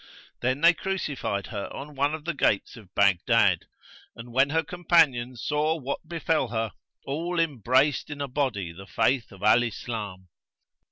Then they crucified her on one of the gates of Baghdad; and, when her companions saw what befel her, all embraced in a body the faith of Al Islam.